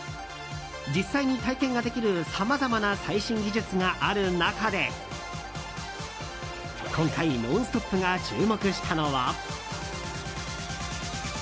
実際に体験ができるさまざまな最新技術がある中で今回、「ノンストップ！」が注目したのは。